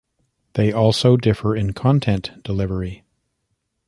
They also differ in content delivery.